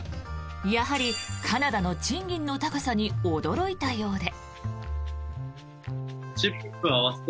やはりカナダの賃金の高さに驚いたようで。